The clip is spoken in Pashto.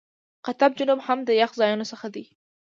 قطب جنوب هم د یخ ځایونو څخه دی.